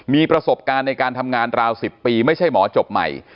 มีประสบการณ์ในการทำงานราว๑๐ปีไม่ใช่หมอจบใหม่